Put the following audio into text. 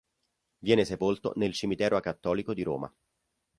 Viene sepolto nel cimitero acattolico di Roma.